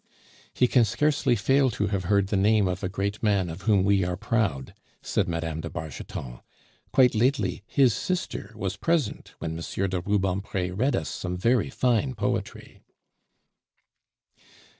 "He can scarcely fail to have heard the name of a great man of whom we are proud," said Mme. de Bargeton. "Quite lately his sister was present when M. de Rubempre read us some very fine poetry."